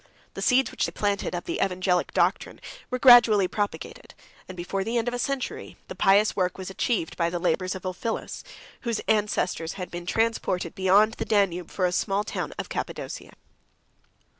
The seeds which they planted, of the evangelic doctrine, were gradually propagated; and before the end of a century, the pious work was achieved by the labors of Ulphilas, whose ancestors had been transported beyond the Danube from a small town of Cappadocia.